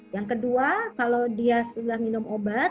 yang kedua kalau dia sudah minum obat